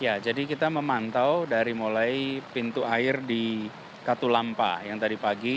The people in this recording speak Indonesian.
ya jadi kita memantau dari mulai pintu air di katulampa yang tadi pagi